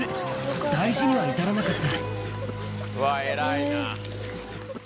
大事には至らなかった。